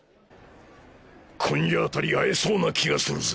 今夜あたり会えそうな気がするぜ。